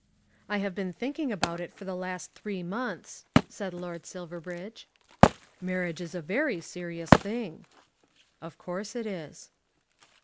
"I have been thinking about it for the last three months," said Lord Silverbridge. "Marriage is a very serious thing." "Of course it is."